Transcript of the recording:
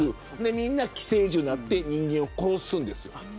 みんな寄生獣になって人間を殺すんです。